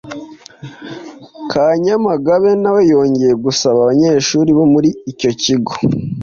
ka Nyamagabe nawe yongeye gusaba abanyeshuri bo muri icyo kigo